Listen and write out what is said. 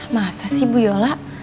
masa sih bu yola